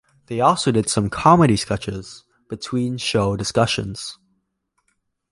They also did some comedy sketches between show discussions.